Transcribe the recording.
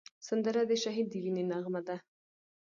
سندره د شهید د وینې نغمه ده